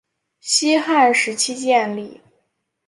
西汉时期建立。